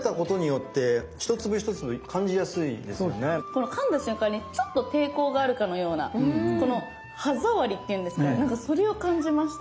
このかんだ瞬間にちょっと抵抗があるかのようなこの歯触りっていうんですかねなんかそれを感じました。